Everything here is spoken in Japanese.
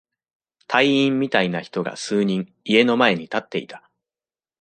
隊員みたいな人が数人、家の前に立っていた。